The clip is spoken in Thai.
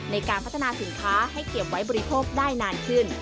ในการพัฒนาสินค้าให้เก็บไว้บริโภคได้นานขึ้น